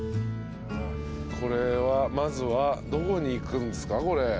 これはまずはどこに行くんすか？